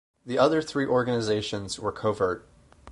The other three organisations were covert.